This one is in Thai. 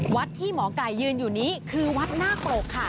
วัดที่หมอไก่ยืนอยู่นี้คือวัดนาคปรกค่ะ